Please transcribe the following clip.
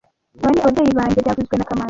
Aba ni ababyeyi banjye byavuzwe na kamanzi